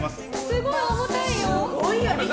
すごい重たいよ。